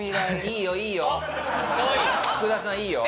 福田さんいいよ。